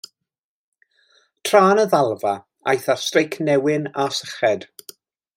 Tra yn y ddalfa, aeth ar streic newyn a syched.